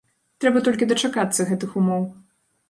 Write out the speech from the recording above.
Трэба толькі дачакацца гэтых умоў.